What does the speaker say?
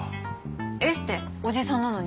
エステおじさんなのに？